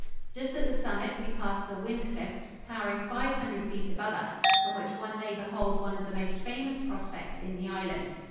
Just at the summit we passed the Wyndcliffe, towering five hundred feet above us, from which one may behold one of the most famous prospects in the Island.